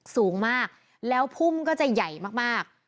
สูงมากแล้วพุ่มก็จะใหญ่มาก